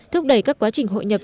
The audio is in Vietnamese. thúc đẩy các quá trình hội nhập